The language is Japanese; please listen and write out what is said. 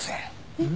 えっ？